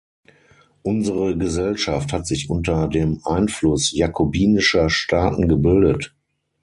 Unsere Gesellschaft hat sich unter dem Einfluss jakobinischer Staaten gebildet.